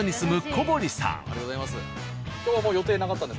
ありがとうございます。